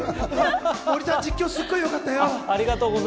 森さん、実況すごいよかったよ。